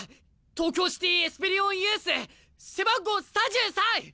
東京シティ・エスペリオンユース背番号３３！